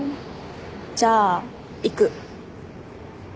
じゃあ行く。